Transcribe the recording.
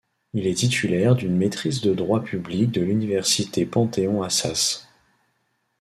Il est titulaire d'une maîtrise de droit public de l'Université Panthéon-Assas.